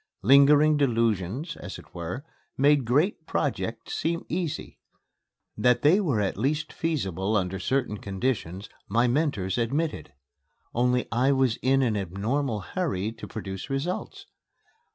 Lingering delusions, as it were, made great projects seem easy. That they were at least feasible under certain conditions, my mentors admitted. Only I was in an abnormal hurry to produce results.